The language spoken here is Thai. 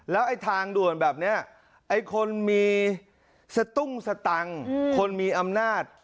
แล้วไอ้ทางด่วนแบบนี้ไอ้คนมีสตุ้งสตังค์คนมีอำนาจ